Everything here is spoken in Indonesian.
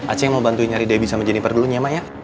acing mau bantuin nyari debbie sama jennifer dulunya mak ya